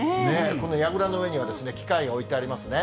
このやぐらの上には機械が置いてありますね。